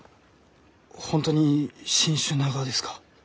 本当に新種ながですか？